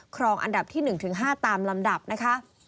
ครองอันดับที่๑๕ตามลำดับนะคะ